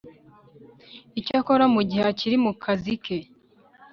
Icyakora mu gihe akiri mu kazi ke